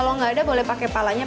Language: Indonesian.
kalau nggak ada boleh pakai palanya